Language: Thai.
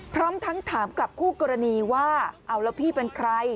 พร้อมทั้งถามกลับคู่กรณีว่าเอาแล้วพี่เป็นใคร